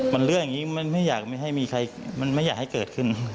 มันเรื่องอย่างนี้มันไม่อยากให้มีใครมันไม่อยากให้เกิดขึ้น